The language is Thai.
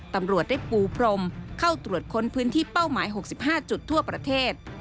ตำรวจได้ปูพรมเข้าตรวจค้นพื้นที่เป้าหมาย๖๕จุดทั่วประเทศ